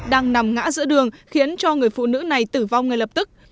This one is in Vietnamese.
đang nằm ngã giữa đường khiến cho người phụ nữ này tử vong ngay lập tức